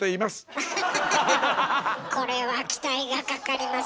これは期待がかかります。